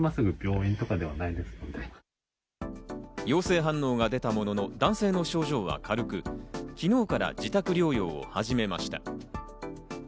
陽性反応が出たものの男性の症状は軽く、昨日から自宅療養を始めました。